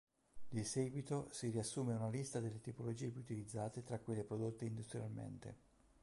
Di seguito si riassume una lista delle tipologie più utilizzate tra quelle prodotte industrialmente.